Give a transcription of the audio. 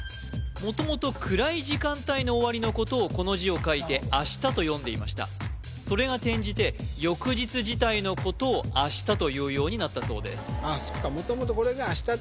元々暗い時間帯の終わりのことをこの字を書いてあしたと読んでいましたそれが転じて翌日自体のことをあしたというようになったそうですさあ